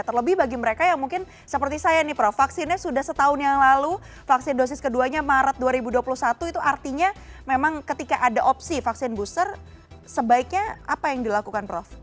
terlebih bagi mereka yang mungkin seperti saya nih prof vaksinnya sudah setahun yang lalu vaksin dosis keduanya maret dua ribu dua puluh satu itu artinya memang ketika ada opsi vaksin booster sebaiknya apa yang dilakukan prof